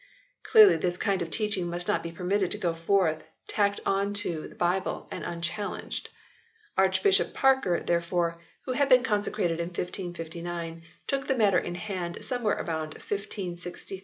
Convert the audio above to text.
Clearly this kind of teaching must not be permitted to go forth tacked on to the Bible and unchallenged. Archbishop Parker, therefore, who had been consecrated in 1559, took the matter in hand somewhere about 1563 4.